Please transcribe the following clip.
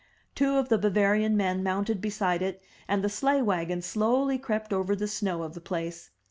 Two of the Bavarian men mounted beside it, and the sleigh wagon slowly crept over the snow of the place.